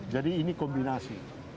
jadi ini kombinasi